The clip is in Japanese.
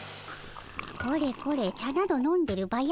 これこれ茶など飲んでるバヤ